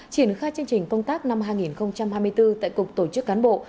triển khai chương trình công tác năm hai nghìn hai mươi bốn tại cục tổ chức cán bộ